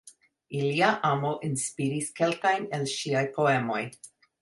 Ilia amo inspiris kelkajn el ŝiaj poemoj.